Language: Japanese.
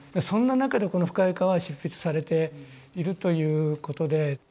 そんな中でこの「深い河」は執筆されているということで。